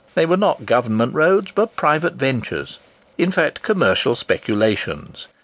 They were not government roads, but private ventures—in fact, commercial speculations.